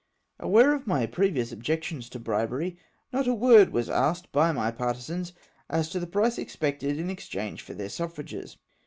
Aware of my previous objection to bribery, not a word was asked by my partisans as to the price ex pected in exchange for tlieii suffrages.